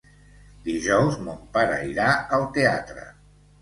Dijous mon pare irà al teatre.